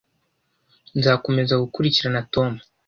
Nzakomeza gukurikirana Tom